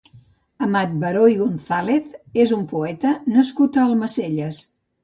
Amat Baró i Gonzàlez és un poeta nascut a Almacelles.